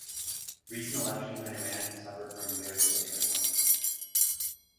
Recent elections in Iran have suffered from very low turnout.